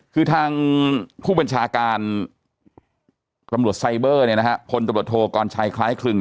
คือทางผู้บัญชาการตำรวจไซเบอร์พลตำรวจโทกรชัยคล้ายคลึง